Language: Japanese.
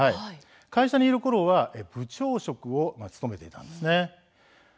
会社にいるころは部長職を務めていたんです。